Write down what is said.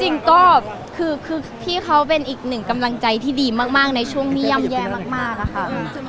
จริงก็คือพี่เขาเป็นอีกหนึ่งกำลังใจที่ดีมากในช่วงนี้ย่ำแย่มากอะค่ะ